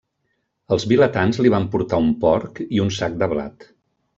Els vilatans li van portar un porc i un sac de blat.